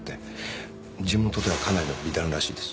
地元ではかなりの美談らしいです。